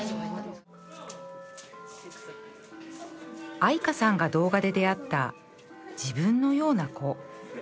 あいかさんが動画で出会った「自分のような子」